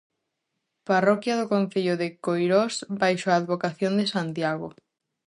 Parroquia do concello de Coirós baixo a advocación de Santiago.